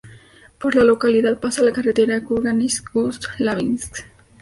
Por la localidad pasa la carretera Kurgáninsk-Ust-Labinsk.